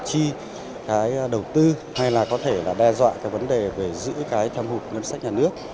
chi cái đầu tư hay là có thể là đe dọa cái vấn đề về giữ cái tham hụt ngân sách nhà nước